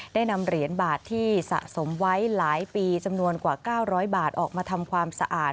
ได้นำเหรียญบาทที่สะสมไว้หลายปีจำนวนกว่า๙๐๐บาทออกมาทำความสะอาด